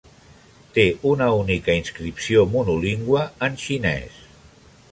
Té una única inscripció, monolingüe, en xinès.